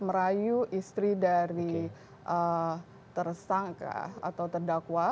merayu istri dari tersangka atau terdakwa